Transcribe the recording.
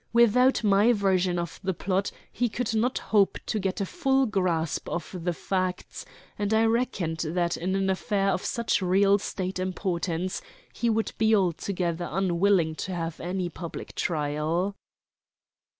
Without my version of the plot he could not hope to get a full grasp of the facts, and I reckoned that in an affair of such real State importance he would be altogether unwilling to have any public trial.